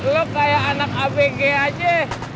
lo kayak anak abg aja